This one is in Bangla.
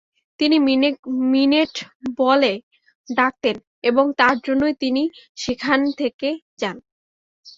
তিনি মিনেট বলে ডাকতেন এবং তার জন্যেই তিনি সেখানে থেকে যান।